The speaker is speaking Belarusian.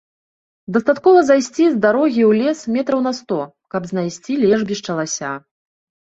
Дастаткова зайсці з дарогі ў лес метраў на сто, каб знайсці лежбішча лася.